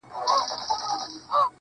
خداى دي له بدوسترگو وساته تل~